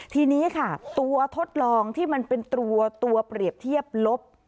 ทีนี้ค่ะตัวทดลองที่มันเป็นตัวเปรียบเทียบลบ